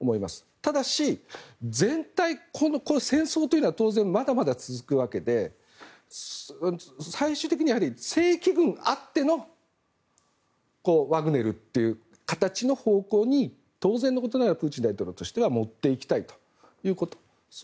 ただし、戦争というのはまだまだ続くわけで最終的に正規軍あってのワグネルという形の方向に当然のことながらプーチン大統領としては持っていきたいということだと。